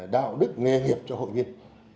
đạo đức nghề nghiệp cho hội viên